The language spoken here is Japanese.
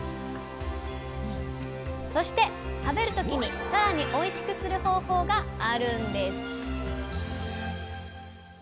そして食べる時にさらにおいしくする方法があるんです！